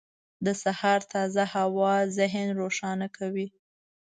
• د سهار تازه هوا ذهن روښانه کوي.